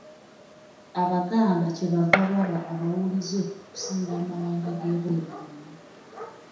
Abaganda kye bava baba abawulize okusinga amawanga ag'ebweru gonna.